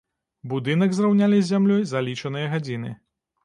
Будынак зраўнялі з зямлёй за лічаныя гадзіны.